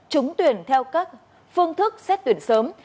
chúng tuyển theo các phương thức xét tuyển sớm